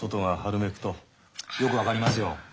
よく分かりますよ。